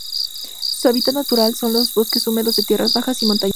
Su hábitat natural son los bosques húmedos de tierras bajas y montanos.